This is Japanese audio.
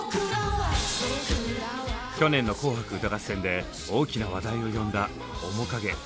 去年の「紅白歌合戦」で大きな話題を呼んだ「おもかげ」。